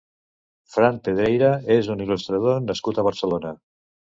Fran Pedreira és un il·lustrador nascut a Barcelona.